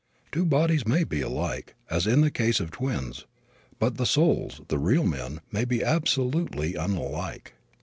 Two bodies may be alike, as in the case of twins, but the souls, the real men, may be absolutely unlike.